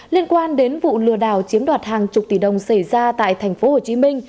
liên quan đến vụ lừa đảo chiếm đoạt hàng chục tỷ đồng xảy ra tại tp hcm